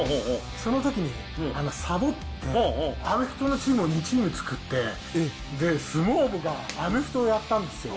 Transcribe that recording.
そのときにさぼって、アメフトのチームを２チーム作って、相撲部がアメフトをやったんですよ。